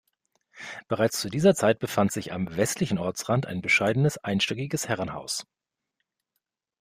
Bereits zu dieser Zeit befand sich am westlichen Ortsrand ein bescheidenes einstöckiges Herrenhaus.